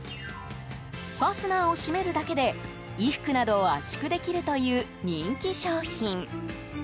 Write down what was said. ファスナーを閉めるだけで衣服などを圧縮できるという人気商品。